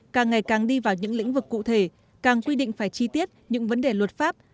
càng ngày càng đi vào những lĩnh vực cụ thể càng quy định phải chi tiết những vấn đề luật pháp